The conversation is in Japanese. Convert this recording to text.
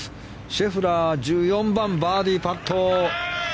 シェフラー、１４番バーディーパット。